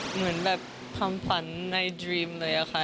เหมือนแบบพันธุ์ในภารกิจเลยค่ะ